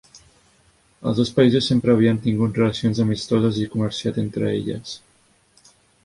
Els dos països sempre havien tingut relacions amistoses i comerciat entre elles.